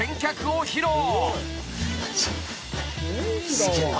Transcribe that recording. すげえな。